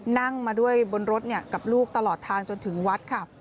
นั่งมาด้วยบนรถกับลูกตลอดทางจนถึงวัดค่ะ